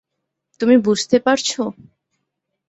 তুমি বুঝতে পারছো?